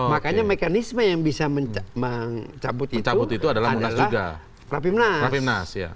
makanya mekanisme yang bisa mencabut itu adalah rapimnas